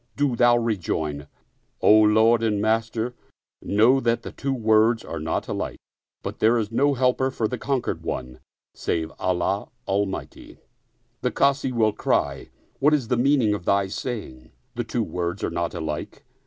do thou re join: O lord and master know that the two words are not alike, but there is no helper for the conquered one save 60 Told by the Constable Allah Almighty. The Kazi will cry. What is the meaning of thy saying, The two words are not alike?